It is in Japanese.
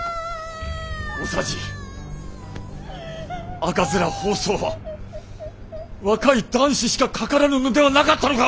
赤面疱瘡は若い男子しかかからぬのではなかったのか！